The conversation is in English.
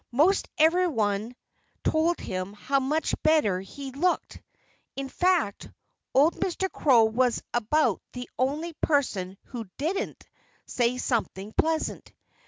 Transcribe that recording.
Most everyone told him how much better he looked. In fact, old Mr. Crow was about the only person who didn't say something pleasant.